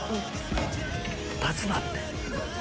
立つなって！